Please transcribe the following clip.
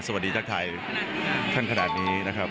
สวัสดีทักทายท่านขนาดนี้นะครับ